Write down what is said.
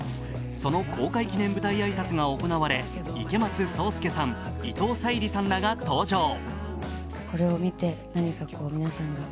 その公開記念舞台挨拶が行われ、池松壮亮さん、伊藤沙莉さんらが登場。